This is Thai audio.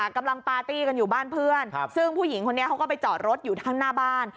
กำลังปาร์ตี้กันอยู่บ้านเพื่อนซึ่งผู้หญิงคนนี้เขาก็ไปจอดรถอยู่ข้างหน้าบ้าน